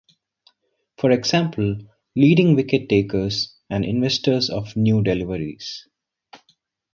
For example: leading wicket-takers, and inventors of new deliveries.